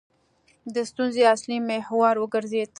د ستونزې اصلي محور وګرځېد.